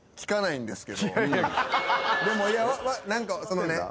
でも何かそのね。